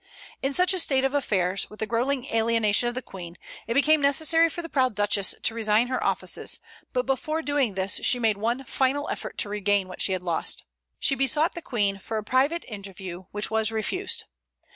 In such a state of affairs, with the growing alienation of the Queen, it became necessary for the proud Duchess to resign her offices; but before doing this she made one final effort to regain what she had lost. She besought the Queen for a private interview, which was refused.